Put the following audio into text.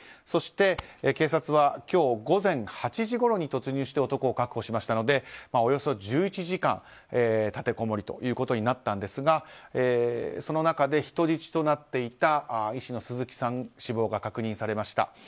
そして、警察は今日午前８時ごろに突入して男を確保したのでおよそ１１時間立てこもりということになったんですがその中で人質となっていた医師の鈴木さんの死亡が確認されました。